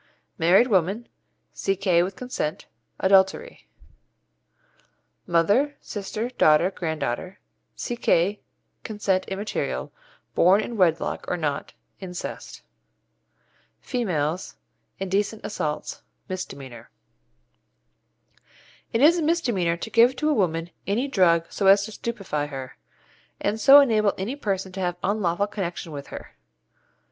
Married woman C.K. with consent Adultery. Mother, sister, daughter, C.K. consent immaterial; Incest. grand daughter born in wedlock or not Females Indecent assaults Misdemeanour. It is a misdemeanour to give to a woman any drug so as to stupefy her, and so enable any person to have unlawful connection with her.